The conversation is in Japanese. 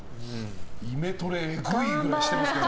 イメトレえぐいくらいしてますけど。